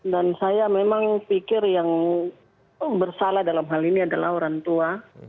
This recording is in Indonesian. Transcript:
dan saya memang pikir yang bersalah dalam hal ini adalah orang tua